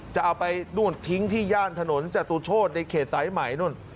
จะเอาไปนู่นทิ้งที่ย่านถนนจตุโชธในเขตสายใหม่นู่น